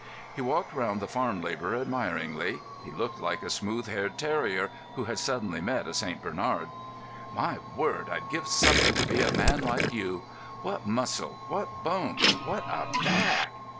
He walked round the farm labourer admiringly. He looked like a smooth haired terrier who had suddenly met a St. Bernard. "My word, I'd give something to be a man like you. What muscle, what bones, what a back!